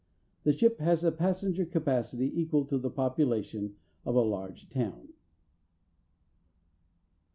The ship has a passenger capacity equal to the population of a large town.